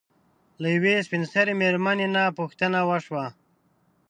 له يوې سپين سري مېرمنې نه پوښتنه وشوه